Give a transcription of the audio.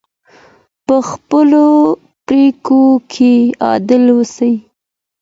په خپلو پریکړو کې عادل اوسئ.